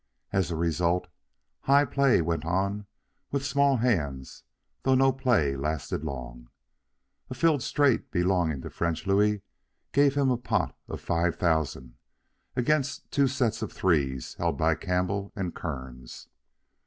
As a result, high play went on with small hands though no play lasted long. A filled straight belonging to French Louis gave him a pot of five thousand against two sets of threes held by Campbell and Kearns.